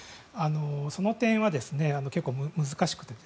その点は、結構難しくて。